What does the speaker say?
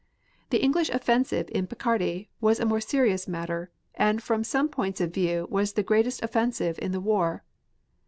The English offensive in Picardy was a more serious matter, and from some points of view was the greatest offensive in the war.